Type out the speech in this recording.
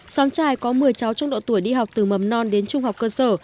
xóm trài có một mươi cháu trong độ tuổi đi học từ mầm non đến trung học cơ sở